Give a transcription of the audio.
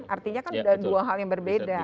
artinya kan ada dua hal yang berbeda